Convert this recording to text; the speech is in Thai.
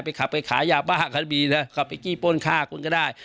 ขับไปขายยาบ้ากันดีนะขับไปจี้ป้นฆ่าคุณก็ได้